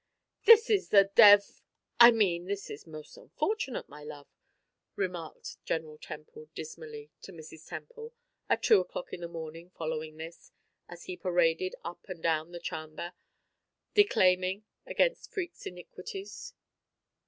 "This is the dev I mean this is most unfortunate, my love," remarked General Temple, dismally, to Mrs. Temple, at two o'clock in the morning following this, as he paraded up and down the "charmber," declaiming against Freke's iniquities.